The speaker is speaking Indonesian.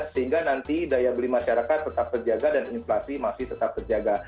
sehingga nanti daya beli masyarakat tetap terjaga dan inflasi masih tetap terjaga